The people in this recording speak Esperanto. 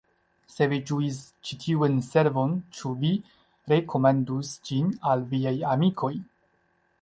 Se vi ĝuis ĉi tiun servon ĉu vi rekomendus ĝin al viaj amikoj!